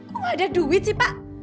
kok ada duit sih pak